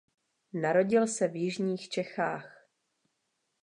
Narodil se v jižních Čechách.